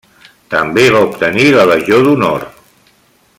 També va obtenir la Legió d'Honor.